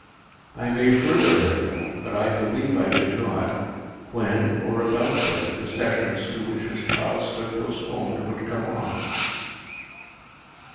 I may further have known, but I believe I did not, when, or about when, the Sessions to which his trial stood postponed would come on.